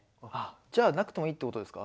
じゃあなくてもいいってことですか？